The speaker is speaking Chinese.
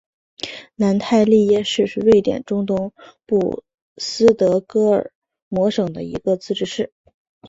南泰利耶市是瑞典中东部斯德哥尔摩省的一个自治市。